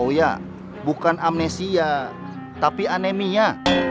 oh ya bukan amnesia tapi anemia